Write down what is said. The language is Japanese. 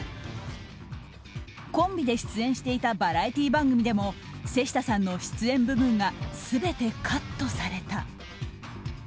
コンビで出演していたバラエティー番組でも瀬下さんの出演部分が全てカットされた。